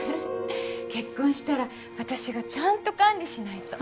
結婚したら私がちゃんと管理しないと。